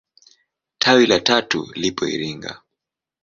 Tawi la tatu lipo Iringa.